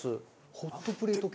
ホットプレート系。